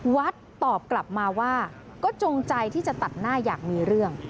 ตอบกลับมาว่าก็จงใจที่จะตัดหน้าอยากมีเรื่อง